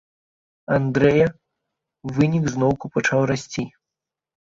Андрэя, вынік зноўку пачаў расці.